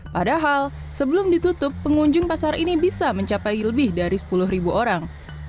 padahal sebelum ditutup pengunjung pasar ini bisa mencapai lebih dari sepuluh orang